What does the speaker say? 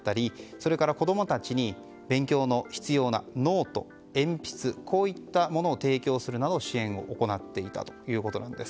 それから子供たちに勉強に必要なノート、鉛筆などこういったものを提供するなど支援を行っていたということです。